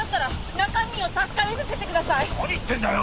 何言ってんだよ！